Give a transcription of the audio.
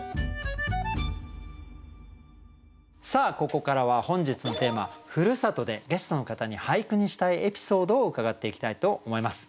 ここからは本日のテーマ「故郷」でゲストの方に俳句にしたいエピソードを伺っていきたいと思います。